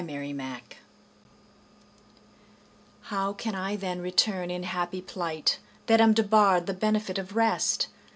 XXVIII How can I then return in happy plight, That am debarre'd the benefit of rest?